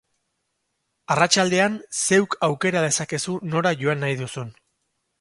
Arratsaldean zeuk aukera dezakezu nora joan nahi duzun.